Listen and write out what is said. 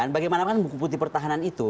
bagaimanapun buku putih pertahanan itu